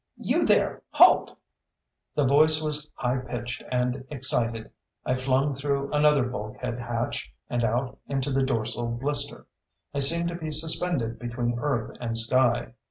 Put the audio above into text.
"You there! Halt!" The voice was high pitched and excited. I flung through another bulkhead hatch and out into the dorsal blister. I seemed to be suspended between Earth and sky.